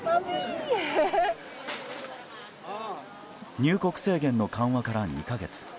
入国制限の緩和から２か月。